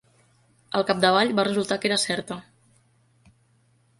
Al capdavall va resultar que era certa.